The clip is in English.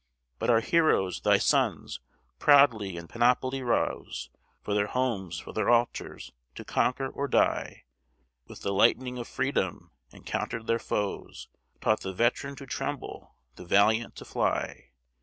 But our heroes, thy sons, proud in panoply rose, For their homes, for their altars, to conquer or die; With the lightning of freedom encounter'd their foes; Taught the veteran to tremble, the valiant to fly.